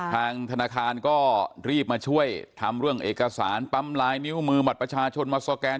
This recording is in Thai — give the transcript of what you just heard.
ทางธนาคารก็รีบมาช่วยทำเรื่องเอกสารปั๊มลายนิ้วมือบัตรประชาชนมาสแกน